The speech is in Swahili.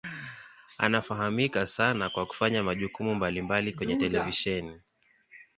Anafahamika sana kwa kufanya majukumu mbalimbali kwenye televisheni.